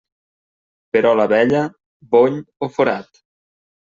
Perola vella, bony o forat.